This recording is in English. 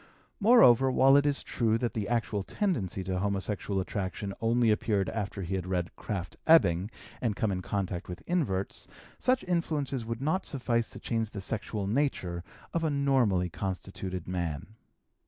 Moreover, while it is true that the actual tendency to homosexual attraction only appeared after he had read Krafft Ebing and come in contact with inverts, such influences would not suffice to change the sexual nature of a normally constituted man.